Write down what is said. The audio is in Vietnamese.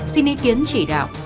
xin ý kiến chỉ đạo